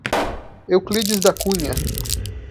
Euclides da Cunha